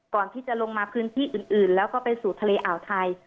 ก่อนที่จะลงมาพื้นที่อื่นแล้วก็ไปสู่ทะเลอ่าวไทย